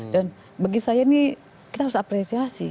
dan bagi saya ini kita harus apresiasi